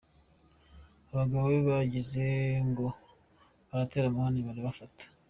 Abagabo be bagize ngo baratera amahane barabafata.